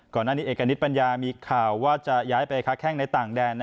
หน้าเอกณิตปัญญามีข่าวว่าจะย้ายไปค้าแข้งในต่างแดน